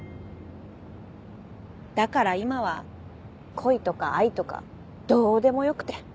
だから今は恋とか愛とかどうでもよくて。